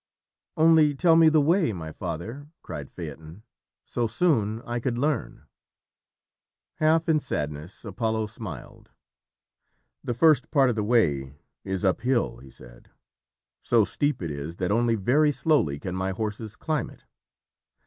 "Only tell me the way, my father!" cried Phaeton. "So soon I could learn." Half in sadness, Apollo smiled. "The first part of the way is uphill," he said. "So steep it is that only very slowly can my horses climb it.